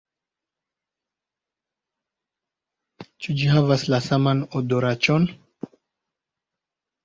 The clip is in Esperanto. Ĉu ĝi havas la saman odoraĉon?